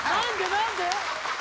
何で？